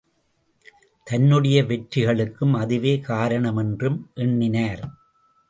தன்னுடைய வெற்றிகளுக்கும் அதுவே காரணமென்றும் எண்ணினார்.